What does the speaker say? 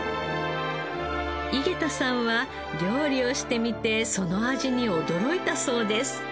井桁さんは料理をしてみてその味に驚いたそうです。